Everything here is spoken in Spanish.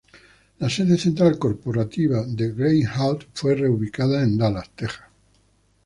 La sede central corporativa de Greyhound fue reubicada en Dallas, Texas.